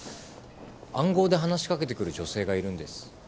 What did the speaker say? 暗号で話し掛けてくる女性がいるんです。